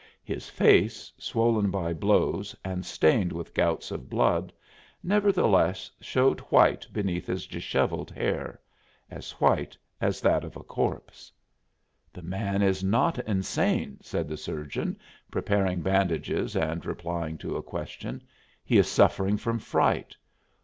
His face, swollen by blows and stained with gouts of blood, nevertheless showed white beneath his disheveled hair as white as that of a corpse. "The man is not insane," said the surgeon, preparing bandages and replying to a question; "he is suffering from fright.